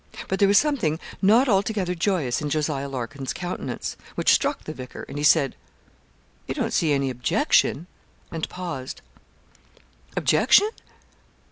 But there was something not altogether joyous in Jos. Larkin's countenance, which struck the vicar, and he said 'You don't see any objection?' and paused. 'Objection?